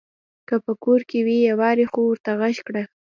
که په کور کې وي يوارې خو ورته غږ کړه !